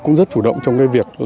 cũng rất chủ động trong cái việc